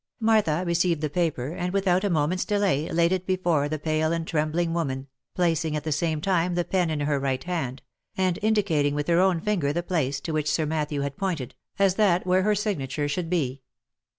Martha received the paper, and without a moment's delay, laid it before the pale and trembling woman, placing at the same time the pen in her right hand, and indicating with her own finger the place, to which Sir Matthew had pointed, as that where her signature should be.